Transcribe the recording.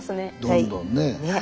どんどんね。